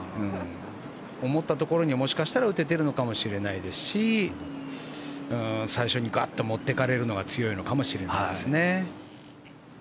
思ったところに、もしかしたら打ててるのかもしれないですし最初にガッて持ってかれるのが強いのかもしれないですね。